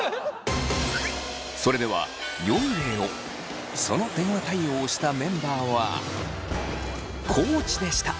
それではその電話対応をしたメンバーは地でした。